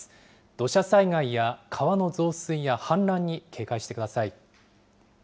土砂災害や川の増水や氾濫に警戒してください。